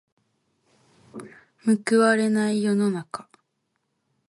報われない世の中。